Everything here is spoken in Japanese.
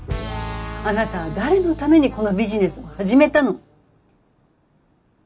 あなたは誰のためにこのビジネスを始めたの？